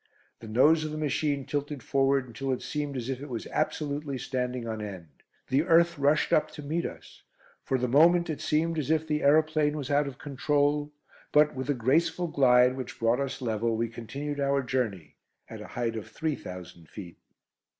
The nose of the machine tilted forward until it seemed as if it was absolutely standing on end. The earth rushed up to meet us. For the moment it seemed as if the aeroplane was out of control, but with a graceful glide, which brought us level, we continued our journey at a height of three thousand feet.